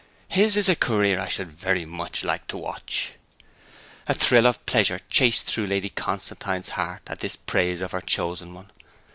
His is a career I should very much like to watch.' A thrill of pleasure chased through Lady Constantine's heart at this praise of her chosen one.